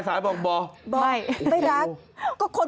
แบบนี้เลย